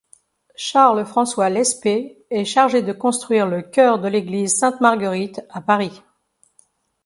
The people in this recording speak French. Charles-François Lespée est chargé de construire le chœur de l'église Sainte-Marguerite, à Paris.